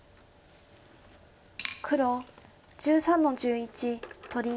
黒１３の十一取り。